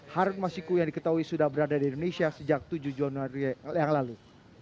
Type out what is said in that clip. harun masiku yang diketahui sudah berada di indonesia sejak tujuh januari yang lalu